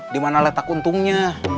dimana letak untungnya